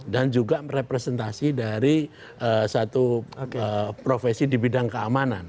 dan juga representasi dari satu profesi di bidang keamanan